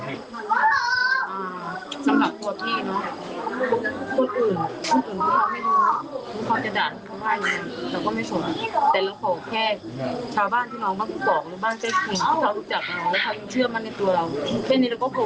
อืมนี่คือความรู้สึกที่อยากให้บอกคุณบอก